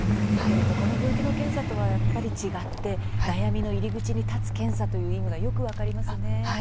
ほかの病気の検査とはやっぱり違って悩みの入り口に立つ検査という意味がよく分かりますね。